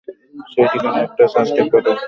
সেই ঠিকানায় একটা সার্চ টিম পাঠাও।